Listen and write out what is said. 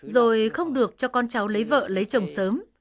rồi không được cho con cháu lấy vợ lấy chồng sớm